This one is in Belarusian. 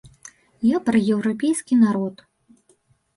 Я пра еўрапейскі народ.